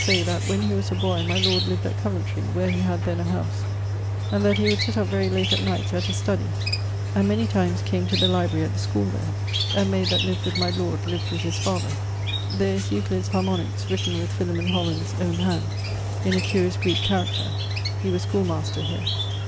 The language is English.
] say that, when he was a boy, my lord lived at Coventrey (where he had then a house), and that he would sett up very late at nights at his study, and many times came to the library at the schoole[XXXIX.] there. [XXXVIII.] A mayd that lived with my lord lived with his father[BU]. [XXXIX.] There is Euclid's Harmoniques written with Philemon Holland's owne hand, in a curious Greeke character; he was schoolmaster here.